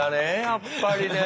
やっぱりね。